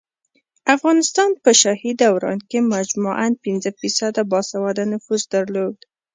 افغانستان په شاهي دوران کې مجموعاً پنځه فیصده باسواده نفوس درلود